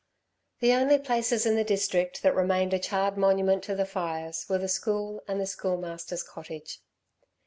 The only places in the district that remained a charred monument to the fires were the school and the school master's cottage.